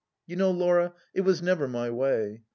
Yov know, Laura, it was never my way.